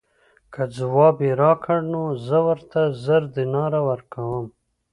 که ځواب یې راکړ نو زه ورته زر دیناره ورکووم.